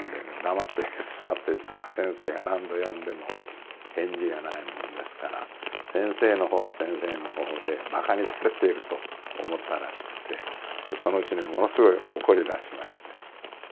黙って座っていたら先生が何度呼んでも返事がないもんですから先生のほうは先生のほうでバカにされていると思ったらしくてそのうちにものすごい怒りだしまして。